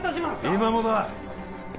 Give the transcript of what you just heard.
今もだ